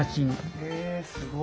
へえすごい。